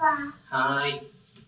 はい。